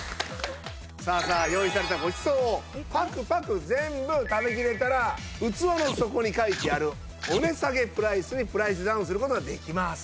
さあさあ用意されたごちそうをパクパク全部食べきれたら器の底に書いてあるお値下げプライスにプライスダウンする事ができます。